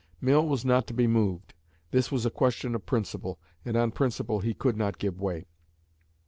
Mill was not to be moved. This was a question of principle, and on principle he could not give way.